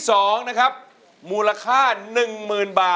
ร้องได้ร้องได้